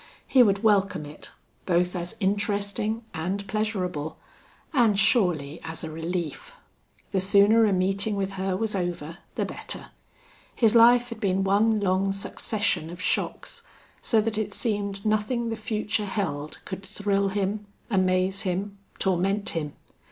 He would welcome it, both as interesting and pleasurable, and surely as a relief. The sooner a meeting with her was over the better. His life had been one long succession of shocks, so that it seemed nothing the future held could thrill him, amaze him, torment him.